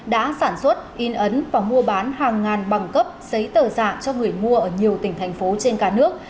đã sản xuất in ấn và mua bán hàng ngàn bằng cấp giấy tờ giả cho người mua ở nhiều tỉnh thành phố trên cả nước